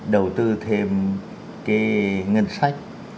đầu tư thêm cái ngân sách